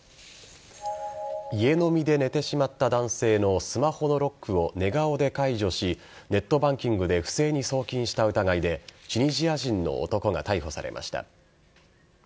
家飲みで寝てしまった男性のスマホのロックを寝顔で解除しネットバンキングで不正に送金した疑いでチュニジア人の男が逮捕されました。